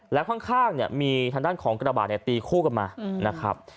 และข้างมีทางด้านของกระบาดตีคู่กันมา